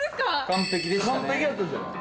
完璧やったんじゃない？